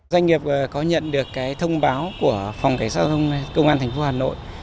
doanh nghiệp có nhận được thông báo của phòng cảnh sát công an thành phố hà nội